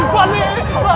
pak pak pak